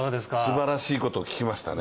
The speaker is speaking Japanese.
すばらしいことを聞きましたね